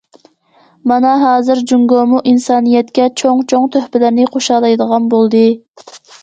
مانا ھازىر جۇڭگومۇ ئىنسانىيەتكە چوڭ- چوڭ تۆھپىلەرنى قوشالايدىغان بولدى.